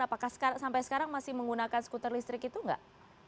apakah sampai sekarang masih menggunakan skuter listrik itu nggak